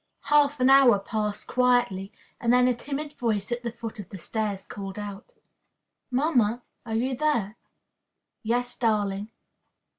Half an hour passed quietly, and then a timid voice at the foot of the stairs called out: "'Mamma, are you there?' "'Yes, darling.'